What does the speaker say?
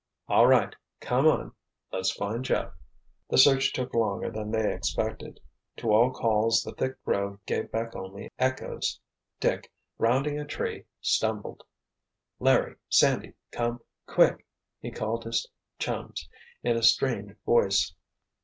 All right. Come on, let's find Jeff." The search took longer than they expected. To all calls the thick grove gave back only echoes. Dick, rounding a tree, stumbled. "Larry—Sandy—come—quick!" He called his chums in a strained voice.